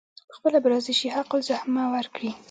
پخپله به راضي شي حق الزحمه ورکړي.